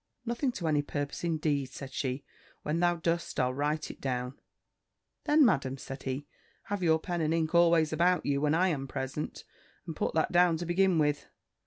"Nothing to any purpose, indeed," said she; "when thou dost, I'll write it down." "Then, Madam," said he, "have your pen and ink always about you, when I am present; and put that down to begin with!"